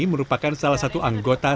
merupakan salah satu anggota